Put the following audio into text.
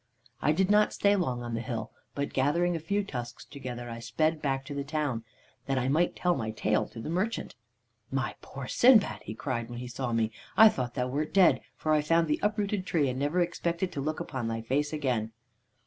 "I did not stay long on the hill, but gathering a few tusks together I sped back to the town, that I might tell my tale to the merchant. 'My poor Sindbad,' he cried, when he saw me, I thought thou wert dead, for I found the uprooted tree, and never expected to look upon thy face again.'